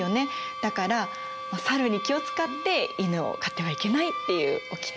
だから猿に気を遣って「犬を飼ってはいけない」っていうおきて。